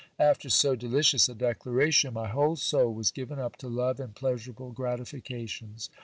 After so delicious a declaration, my whole soul was given up to love and pleasurable gratifications.